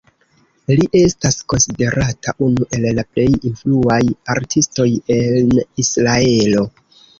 Li estas konsiderata unu el la plej influaj artistoj en Israelo.